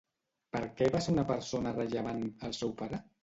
Per què va ser una persona rellevant, el seu pare?